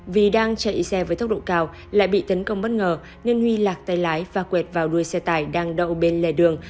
vì đang chạy xe với tốc độ cao lại bị tấn công bất ngờ nên huy lạc tay lái và quẹt vào đuôi xe tải đang đậu bên lề đường